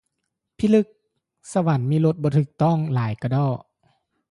ພິລຶກ ສະຫວັນມີລົດບໍ່ຖືກຕ້ອງຫຼາຍກະດໍ້